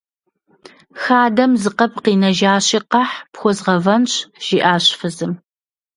Хадэм зы къэб къинэжащи, къэхь, пхуэзгъэвэнщ, - жиӀащ фызым.